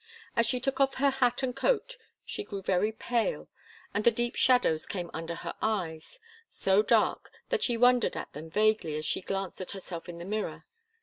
As she took off her hat and coat she grew very pale, and the deep shadows came under her eyes so dark that she wondered at them vaguely as she glanced at herself in the mirror.